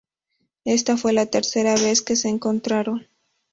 Esta fue la tercera vez que se encontraron.